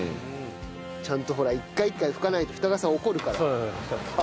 ちゃんとほら一回一回拭かないと二川さん怒るから。